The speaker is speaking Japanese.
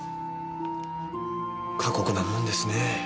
過酷なもんですね。